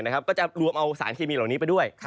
ก็จะรวมเอาสารเคมีเหล่านี้ไปด้วย